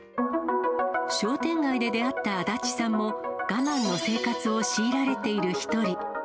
商店街で出会った足立さんも、我慢の生活を強いられている一人。